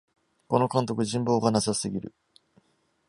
この監督、人望がなさすぎる